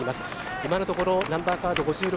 今のところナンバーカード５６